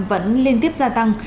vẫn liên tiếp gia tăng